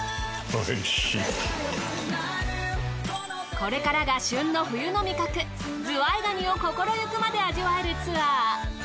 これからが旬の冬の味覚ズワイガニを心ゆくまで味わえるツアー。